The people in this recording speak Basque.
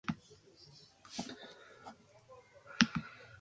Ezaguna zuen jarrera hori, bera ere hortik pasatu baitzen.